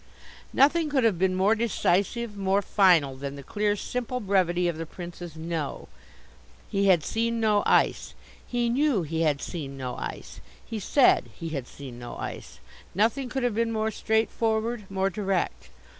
Nothing could have been more decisive, more final than the clear, simple brevity of the Prince's "No." He had seen no ice. He knew he had seen no ice. He said he had seen no ice. Nothing could have been more straightforward, more direct.